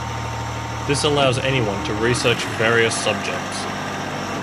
This allows anyone to research various subjects.